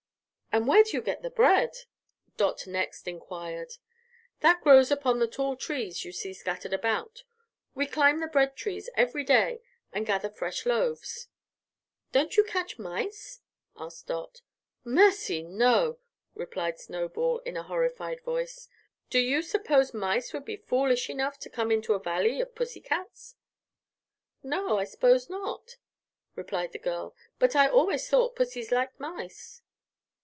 "And where do you get the bread?" Dot next enquired. "That grows upon the tall trees you see scattered about. We climb the bread trees every day and gather fresh loaves." "Don't you catch mice?" asked Dot. "Mercy, no!" replied Snowball, in a horrified voice. "Do you suppose mice would be foolish enough to come into a Valley of Pussycats?" "No, I suppose not," replied the girl; "but I always thought pussys liked mice."